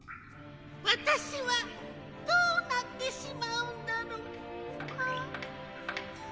わたしはどうなってしまうんだろう？ああ。